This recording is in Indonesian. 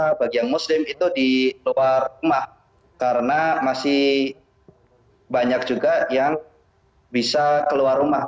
karena bagi yang muslim itu di luar rumah karena masih banyak juga yang bisa keluar rumah